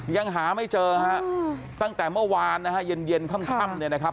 ยังหาไม่เจอฮะตั้งแต่เมื่อวานนะฮะเย็นเย็นค่ำเนี่ยนะครับ